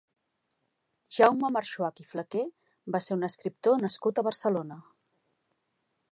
Jaume Marxuach i Flaquer va ser un escriptor nascut a Barcelona.